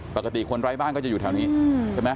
ปกติคนไร้บ้านก็จะอยู่แถวนี้ใช่ไหม